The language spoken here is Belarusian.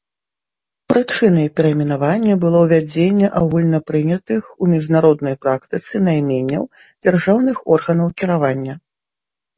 Прычынай перайменавання было ўвядзенне агульнапрынятых у міжнароднай практыцы найменняў дзяржаўных органаў кіравання.